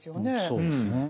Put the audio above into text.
そうですね。